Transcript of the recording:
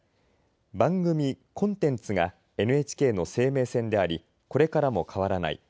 番組、コンテンツがＮＨＫの生命線でありこれからも変わらない。